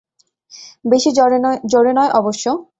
বেশি জোরে নয় অবশ্য।